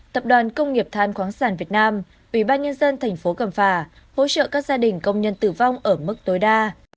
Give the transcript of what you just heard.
tập đoàn công nghiệp than khoáng sản việt nam ủy ban nhân dân thành phố cẩm phả hỗ trợ các gia đình công nhân tử vong ở mức tối đa